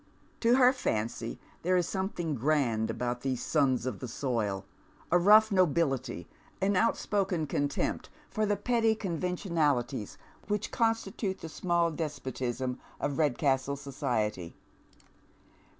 To her fancy there is something grand about these sons of the soil, a rough nobility, an outspoken contempt for the petty conventionalities which constitute the small despotism of Eedcastle society.